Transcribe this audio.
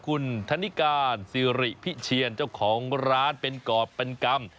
คุณธนิการสิริพิเชียนเจ้าของร้านเป็นกรอบเป็นกรรม